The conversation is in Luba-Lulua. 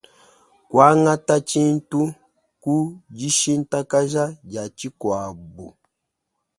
Kuangata tshintu ku dishintakaja dia tshikuabu.